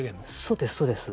そうですそうです。